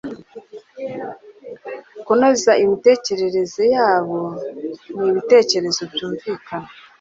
kunoza imitekerereze yabo nibitekerezo byumvikana